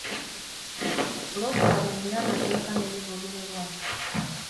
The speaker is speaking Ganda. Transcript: Puloogulaamu eyina amateeka n'ebigobererwa.